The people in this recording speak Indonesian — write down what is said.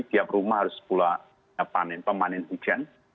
tiap rumah harus pula panen pemanin hujan